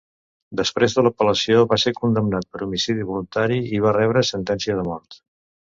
Després de l'apel·lació, va ser condemnat per homicidi voluntari i va rebre sentència de mort.